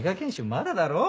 まだだろ？